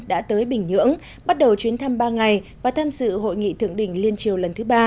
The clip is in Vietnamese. đã tới bình nhưỡng bắt đầu chuyến thăm ba ngày và tham dự hội nghị thượng đỉnh liên triều lần thứ ba